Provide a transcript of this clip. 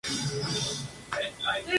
Se encuentra en Rusia sub-ártica y Suecia.